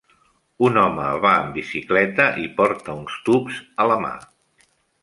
Un home va en bicicleta i porta uns tubs a la mà.